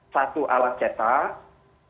satu alat cetak